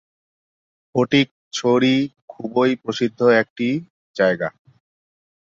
ফটিকছড়ি খুবই প্রসিদ্ধ একটি জায়গা।